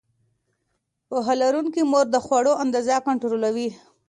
پوهه لرونکې مور د خوړو اندازه کنټرولوي.